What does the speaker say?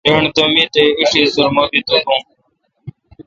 رݨ تہ می تے°ایݭی سرمہ بی تو دون۔